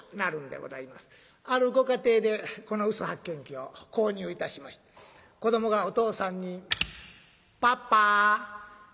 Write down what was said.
あるご家庭でこの嘘発見器を購入いたしまして子どもがお父さんに「パパ宿題できたよ」。